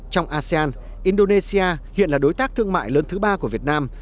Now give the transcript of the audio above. trong asean indonesia hiện là đối tác thương mại lớn thứ ba của việt nam